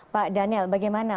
pak daniel bagaimana